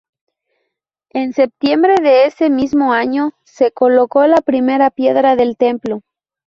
En septiembre de ese mismo año se colocó la primera piedra del templo.